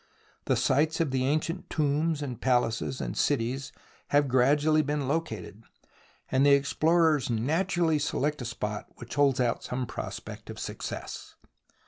The sites of the ancient tombs and palaces and cities have gradually been located, and the explorers naturally select a spot which holds out some prospect of success.